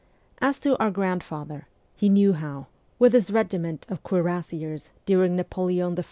As to our grandfather, he knew how, with his regiment of cuirassiers during Napoleon I.'